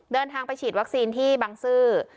เดินทางไปฉีดวัคซีนที่บังซื้อ